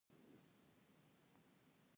ما سره پښتو خبری اوکړه